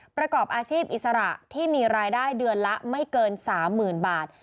ประกอบอาชีพอิสระที่มีรายได้เดือนละไม่เกิน๓๐๐๐บาท